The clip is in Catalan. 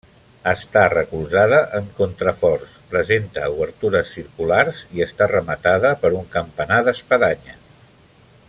Està recolzada en contraforts, presenta obertures circulars i està rematada per un campanar d'espadanya.